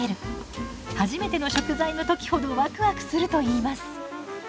初めての食材の時ほどワクワクするといいます。